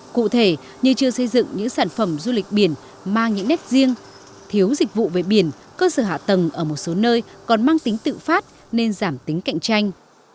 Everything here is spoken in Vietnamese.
cụ thể như chưa xây dựng những sản phẩm du lịch biển mang những nét riêng thiếu dịch vụ về biển cơ sở hạ tầng ở một số nơi còn mang tính tự phát nên giảm tính cạnh tranh